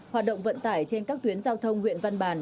hoạt động vận tải trên các tuyến giao thông huyện văn bàn